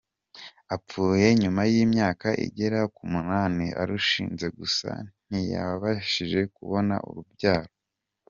Apfuye nyuma y’imyaka igera ku munani arushinze gusa ntiyabashije kubona urubyaro.